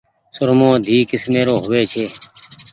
سرمو ڌي ڪيسمي رو هووي ڇي۔